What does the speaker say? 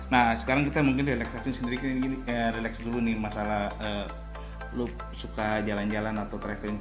nah sekarang kita mungkin relax dulu nih masalah lu suka jalan jalan atau traveling